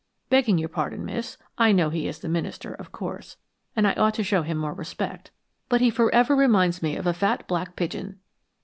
Begging your pardon, Miss, I know he is the minister, of course, and I ought to show him more respect, but he forever reminds me of a fat black pigeon."